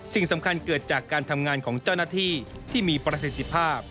สิ่งสำคัญเกิดจากการทำงานของเจ้าหน้าที่ที่มีประสิทธิภาพ